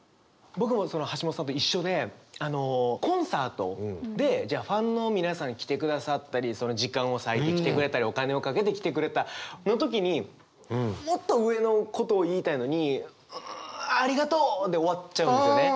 僕も橋本さんと一緒でコンサートでじゃあファンの皆さんが来てくださったり時間を割いて来てくれたりお金をかけて来てくれたの時にもっと上のことを言いたいのに「ありがとう」で終わっちゃうんですよね。